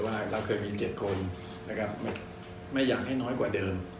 ว่าเราเคยมี๗คนนะครับไม่อยากให้น้อยกว่าเดิม